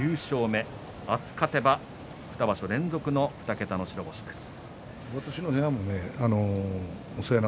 明日、勝てば２場所連続の２桁の白星です。